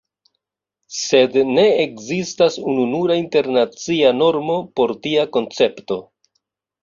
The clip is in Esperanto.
Sed ne ekzistas ununura internacia normo por tia koncepto.